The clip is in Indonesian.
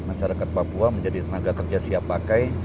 masyarakat papua menjadi tenaga kerja siap pakai